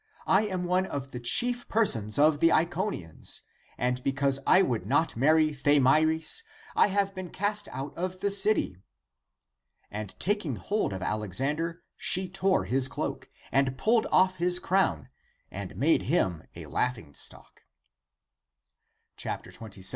I am one of the chief persons of the Iconians, and because I would not marry Thamyris I have been cast out of the city." And taking hold of Alexander, she tore his cloak, and pulled off his crown, and made him a laughing stock. 2y.